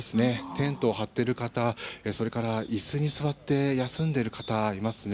テントを張っている方それから椅子に座って休んでいる方がいますね。